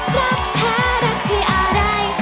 รักแท้รักที่อะไร